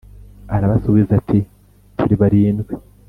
arabasubiza ati: “turi barindwi;